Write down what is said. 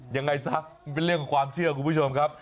ยังไงซะเป็นเรื่องความเชื่อคุณผู้ชมครับ